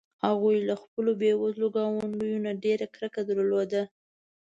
هغوی له خپلو بې وزلو ګاونډیو نه ډېره کرکه درلوده.